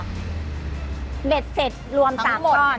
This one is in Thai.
เบ็ดเสร็จรวม๓หมด